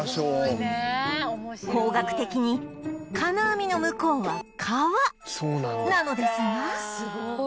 方角的に金網の向こうは川なのですが